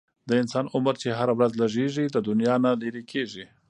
د انسان عمر چې هره ورځ لږیږي، له دنیا نه لیري کیږي